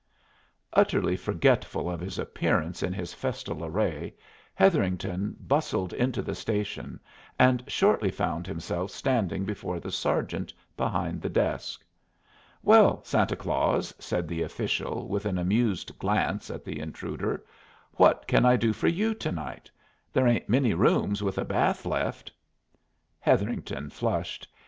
Utterly forgetful of his appearance in his festal array, Hetherington bustled into the station, and shortly found himself standing before the sergeant behind the desk. "Well, Santa Claus," said the official, with an amused glance at the intruder, "what can I do for you to night? There ain't many rooms with a bath left." Hetherington flushed.